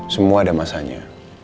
semua ada masanya